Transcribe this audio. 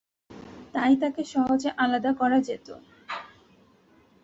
তাই তাকে সহজে আলাদা করা যেতো।